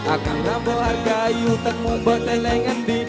akan nambuh harga iu tengung bete lengendi